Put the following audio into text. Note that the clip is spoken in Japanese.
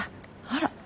あら。